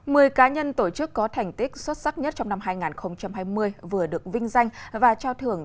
mười cá nhân tổ chức có thành tích xuất sắc nhất trong năm hai nghìn hai mươi vừa được vinh danh và trao thưởng